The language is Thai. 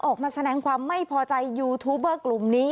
ออกมาแสดงความไม่พอใจยูทูบเบอร์กลุ่มนี้